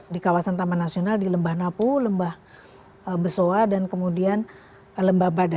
di kawasan taman nasional di lembah napu lembah besoa dan kemudian lembah bada